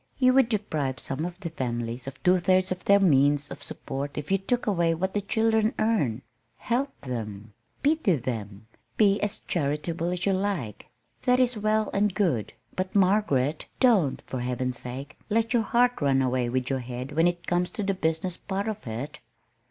You would deprive some of the families of two thirds of their means of support if you took away what the children earn. Help them, pity them, be as charitable as you like. That is well and good; but, Margaret, don't, for heaven's sake, let your heart run away with your head when it comes to the business part of it!"